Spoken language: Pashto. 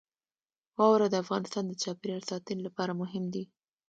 واوره د افغانستان د چاپیریال ساتنې لپاره مهم دي.